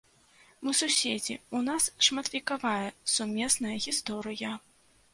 Мы суседзі, у нас шматвекавая сумесная гісторыя.